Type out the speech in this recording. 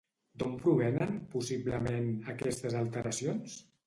D'on provenen, possiblement, aquestes alteracions?